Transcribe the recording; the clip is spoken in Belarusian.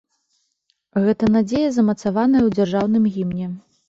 Гэта надзея замацаваная ў дзяржаўным гімне.